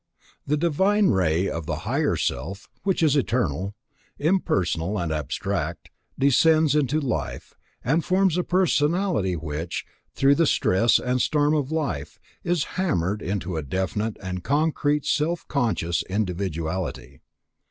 The divine ray of the Higher Self, which is eternal, impersonal and abstract, descends into life, and forms a personality, which, through the stress and storm of life, is hammered into a definite and concrete self conscious individuality.